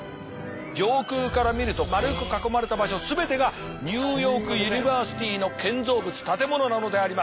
上空から見ると丸く囲まれた場所全てがニューヨークユニバーシティーの建造物建物なのであります。